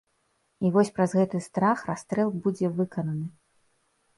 І вось праз гэты страх расстрэл будзе выкананы.